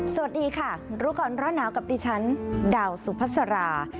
สวัสดีค่ะรู้ก่อนร้อนหนาวกับดิฉันดาวสุพัสรา